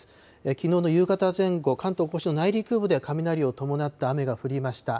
きのうの夕方前後、関東甲信の内陸部では雷を伴った雨が降りました。